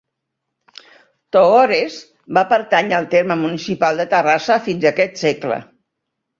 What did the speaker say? Togores va pertànyer al terme municipal de Terrassa fins aquest segle.